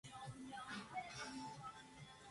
ElCultural.es, es la versión digital de "El Cultural".